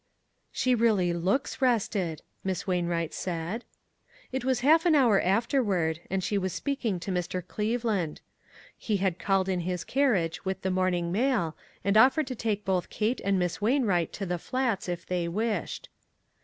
"She really looks rested," Miss Wain wright said. It was half an hour afterward, and she was speaking to Mr. Cleveland. He had called in his carriage, with the morning mail, and offered to take both Kate and Miss Wainwright to the Flats if they wished.